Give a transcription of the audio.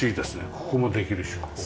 ここもできるしここも。